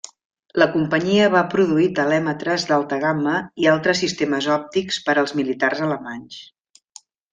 La companyia va produir telèmetres d'alta gamma i altres sistemes òptics per als militars alemanys.